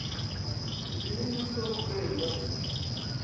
Ibi ni bito kurenza ibyo.